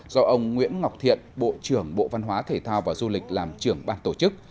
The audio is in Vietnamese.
do ông nguyễn ngọc thiện bộ trưởng bộ văn hóa thể thao và du lịch làm trưởng ban tổ chức